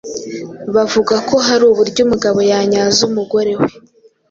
bavugako hari uburyo umugabo yanyaza umugore we